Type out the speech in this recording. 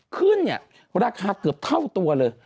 ขึ้นราคาเกือบเท่าตัวเลย